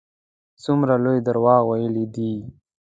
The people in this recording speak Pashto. څومره لوی دروغ ویلي دي.